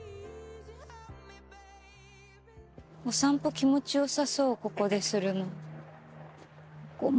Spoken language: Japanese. お散歩気持ち良さそうここでするの。